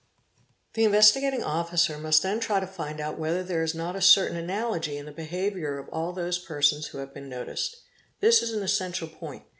The Investigating Officer must then try to find out whether there is not a certain analogy in the behaviour of all those persons who have been noticed. This is an essential point.